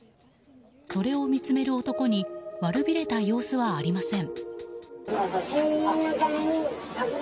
それを見つめる男に悪びれた様子はありません。